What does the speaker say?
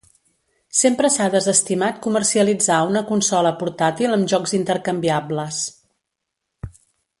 Sempre s'ha desestimat comercialitzar una consola portàtil amb jocs intercanviables.